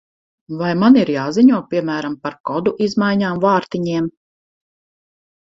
Vai man ir jāziņo, piemēram, par kodu izmaiņām vārtiņiem?